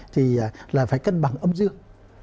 thì là phải cân bằng âm dương